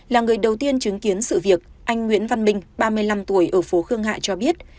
là người đầu tiên chứng kiến sự việc anh nguyễn văn minh ba mươi năm tuổi ở phố khương hạ cho biết